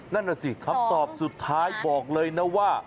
นั่นน่ะสิคำตอบสุดท้ายบอกเลยนะว่า